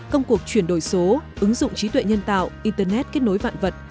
công cuộc chuyển đổi số ứng dụng trí tuệ nhân tạo internet kết nối vạn vật